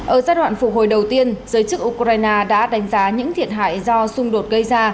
ở giai đoạn phục hồi đầu tiên giới chức ukraine đã đánh giá những thiệt hại do xung đột gây ra